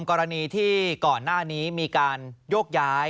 กรณีที่ก่อนหน้านี้มีการโยกย้าย